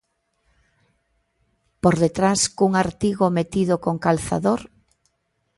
¿Por detrás, cun artigo metido con calzador?